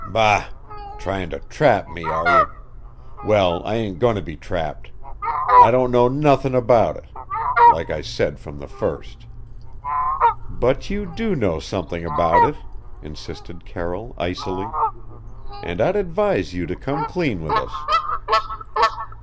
"Bah! Trying to trap me are you? Well, I ain't going to be trapped. I don't know nothin' about it. Like I said from the first." "But you do know something about it," insisted Carroll icily. "And I'd advise you to come clean with us."